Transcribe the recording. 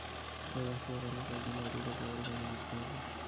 তবে, বাস্তবতা হলো কয়েক দিন বাদেই তাঁকে আবারও কাজে ফিরতে হবে।